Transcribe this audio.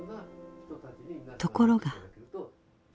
ところが。